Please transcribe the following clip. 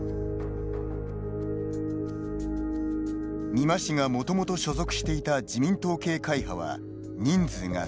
美馬氏が元々所属していた自民党系会派は人数が３人。